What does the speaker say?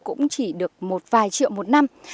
cũng chỉ được một vài triệu một năm